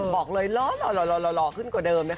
บอกเลยหล่อขึ้นกว่าเดิมนะคะ